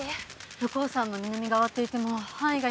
武甲山の南側っていっても範囲が広い。